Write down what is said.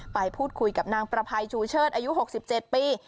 ไปพูดคุยกับนางประภัยชูเชิดอายุ๖๗ปี